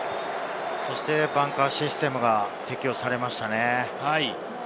そしてバンカーシステムが適用されましたね。